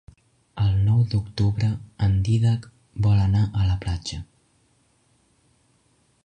El nou d'octubre en Dídac vol anar a la platja.